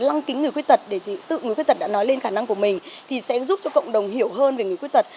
lăng kính người khuyết tật tự người khuyết tật đã nói lên khả năng của mình thì sẽ giúp cho cộng đồng hiểu hơn về người khuyết tật